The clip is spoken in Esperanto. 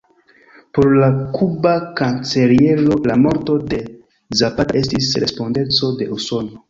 Por la kuba kanceliero, la morto de Zapata estis respondeco de Usono.